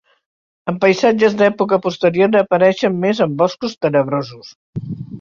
En paisatges d'època posterior n'apareixen més amb boscos tenebrosos.